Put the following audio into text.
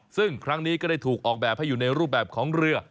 ซึ่งครั้งนี้ก็ได้ถูกออกแบบให้อยู่ในรูปแบบของเรือ